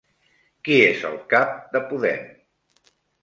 Qui és el cap de Podem?